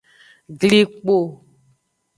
Glikpo.